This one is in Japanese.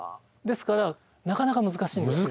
ですからなかなか難しいんです。